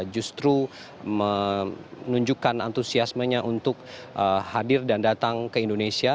justru menunjukkan antusiasmenya untuk hadir dan datang ke indonesia